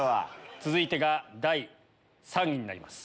続いてが第３位になります。